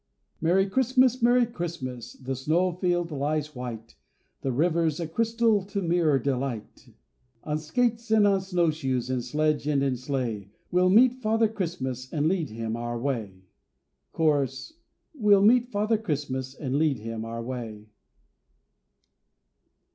Merry Christmas! Merry Christmas! the snow field lies white. The river's a crystal to mirror delight. On skates and on snowshoes, In sledge and in sleigh, We'll meet Father Christmas, and lead him our way. Cho.—We'll meet Father Christmas, and lead him our way.